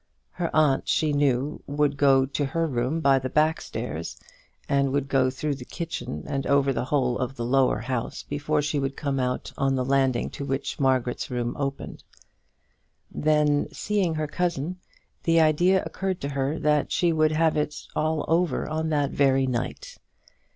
Her aunt, she knew, would go to her room by the back stairs, and would go through the kitchen and over the whole of the lower house, before she would come out on the landing to which Margaret's room opened. Then, seeing her cousin, the idea occurred to her that she would have it all over on that very night.